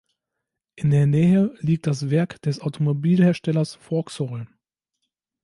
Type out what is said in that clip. In der Nähe liegt das Werk des Automobilherstellers Vauxhall.